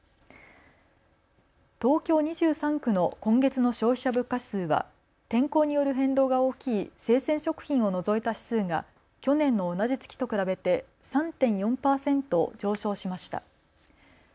東京２３区の今月の消費者物価指数は天候による変動が大きい生鮮食品を除いた指数が去年の同じ月と比べて３．４％上昇しました。